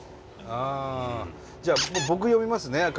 あじゃあ僕読みますね